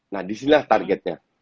nah disinilah targetnya